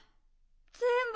ぜんぶ